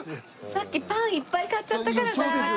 さっきパンいっぱい買っちゃったからなあ。